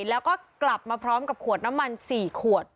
แล้วก็กลับมาพร้อมกับขวดน้ำมัน๔ขวด